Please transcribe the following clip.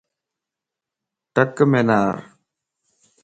ٽکَ مَ نارَ